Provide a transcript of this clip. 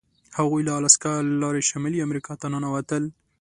هغوی له الاسکا لارې شمالي امریکا ته ننوتل.